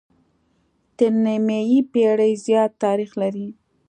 تر نيمې پېړۍ زيات تاريخ لري